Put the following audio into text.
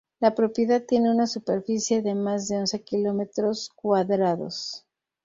La propiedad tiene una superficie de más de once kilómetros cuadrados.